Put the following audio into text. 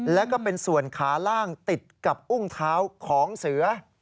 แล้วก็เป็นส่วนขาล่างติดกับอุ้งเท้าของเสือ